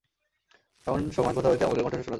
এমন সময় কোথা হইতে অমলের কন্ঠস্বর শুনা যায়।